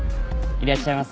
いらっしゃいませ。